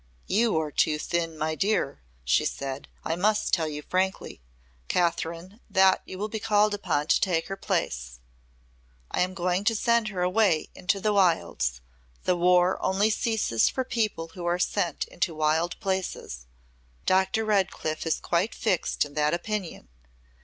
"You are too thin, my dear," she said. "I must tell you frankly, Kathryn, that you will be called upon to take her place. I am going to send her away into the wilds. The War only ceases for people who are sent into wild places. Dr. Redcliff is quite fixed in that opinion.